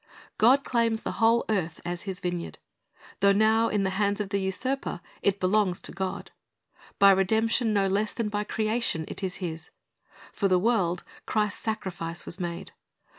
"^ God claims the whole earth as His vineyard. Though now in the hands of the usurper, it belongs to God. By redemption no less than by creation it is His. For the world, Christ's sacrifice was made.